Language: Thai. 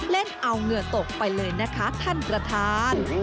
เล่นเอาเหงื่อตกไปเลยนะคะท่านประธาน